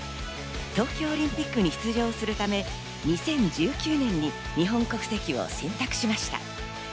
東京オリンピックに出場するため２０１９年に日本国籍を選択しました。